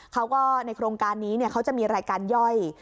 เขาก็ในโครงการนี้เขาจะมีรายการย่อย